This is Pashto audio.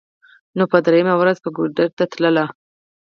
نو په درېمه ورځ به ګودر ته تله.